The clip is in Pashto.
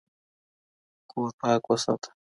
کور پاک وساته